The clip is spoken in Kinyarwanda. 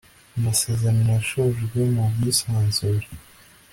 Amasezerano yashojwe mu bwisanzure